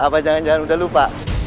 apa jangan jangan udah lupa